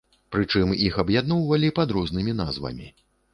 Прычым, іх аб'ядноўвалі пад рознымі назвамі.